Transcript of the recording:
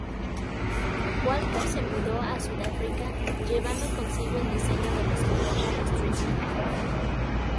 Walker se mudó a Sudáfrica, llevando consigo el diseño de la escopeta Striker.